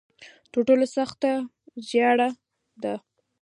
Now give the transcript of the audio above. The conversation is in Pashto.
تر ټولو سخته زیاړه ده.